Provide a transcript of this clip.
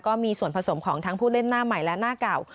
ก็มีส่วนผสมของทั้งผู้เล่นหน้าใหม่และหน้าเก่า